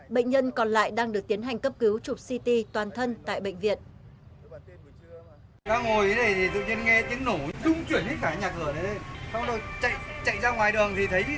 bệnh nhân còn lại đang được tiến hành cấp cứu chụp ct toàn thân tại bệnh viện